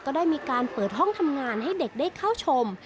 ก็ได้มีการเปิดห้องทำงานให้เด็กได้เข้าชม